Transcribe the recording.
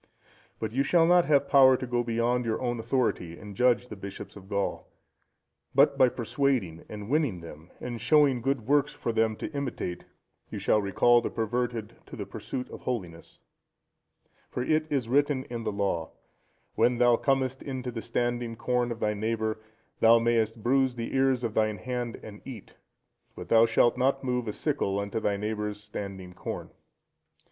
But you shall not have power to go beyond your own authority and judge the bishops of Gaul, but by persuading, and winning them, and showing good works for them to imitate, you shall recall the perverted to the pursuit of holiness; for it is written in the Law, "When thou comest into the standing corn of thy neighbour, then thou mayest bruise the ears with thine hand and eat; but thou shalt not move a sickle unto thy neighbours' standing corn."